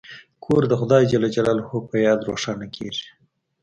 کور د خدای په یاد روښانه کیږي.